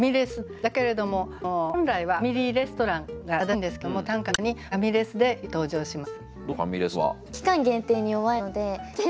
だけれども本来は「ファミリーレストラン」が正しいんですけれども短歌の中に「ファミレス」でよく登場します。